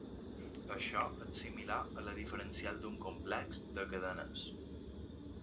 Això és similar a la diferencial d'un complex de cadenes.